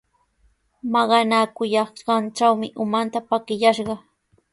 Maqanakuyanqantraw umanta pakiyashqa.